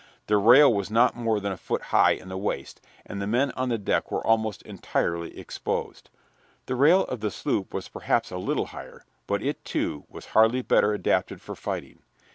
The rail was not more than a foot high in the waist, and the men on the deck were almost entirely exposed. The rail of the sloop was perhaps a little higher, but it, too, was hardly better adapted for fighting.